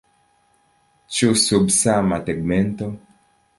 Ĉu sub sama tegmento?